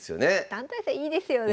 団体戦いいですよね。